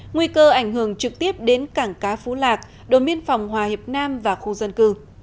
nguy cơ ảnh hưởng trực tiếp đến cảng cá phú lạc đồn biên phòng hòa hiệp nam và khu dân cư